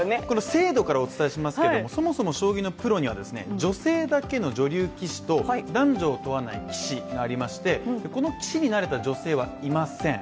制度からお伝えしますけどもそもそも将棋のプロには女性だけの女流棋士と男女を問わない棋士がありまして、この棋士になれた女性はいません。